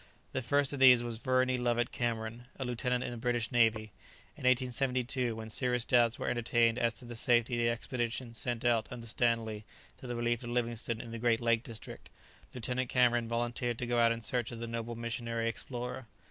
The first of these was Verney Lovett Cameron, a lieutenant in the British navy. In 1872, when serious doubts were entertained as to the safety of the expedition sent out under Stanley to the relief of Livingstone in the great lake district, Lieutenant Cameron volunteered to go out in search of the noble missionary explorer.